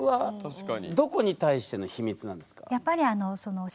どこに対しての秘密なんですか？